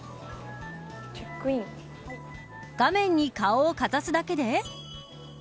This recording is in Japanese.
画面に顔をかざすだけで。